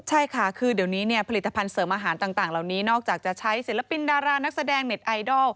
ใช่ค่ะคือเดี๋ยวนี้เนี่ยผลิตภัณฑ์เสริมอาหารต่างเหล่านี้นอกจากจะใช้ศิลปินดารานักแสดงเน็ตไอดอล